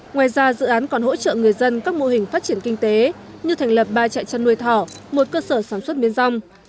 ngoài ra dự án còn hỗ trợ người dân các mô hình phát triển kinh tế như thành lập ba trại chăn nuôi thỏ một cơ sở sản xuất miến rong